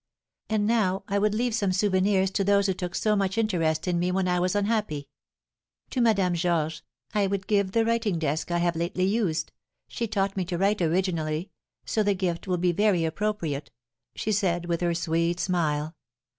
"And now I would leave some souvenirs to those who took so much interest in me when I was unhappy. To Madame Georges I would give the writing desk I have lately used; she taught me to write originally, so the gift will be very appropriate," she said, with her sweet smile.